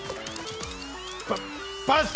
パパス！